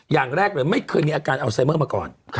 อย่างแรกเลยไม่เคยมีอาการอัลไซเมอร์มาก่อน